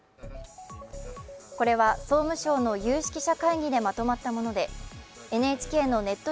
これは総務省の有識者会議でまとまったものでＮＨＫのネット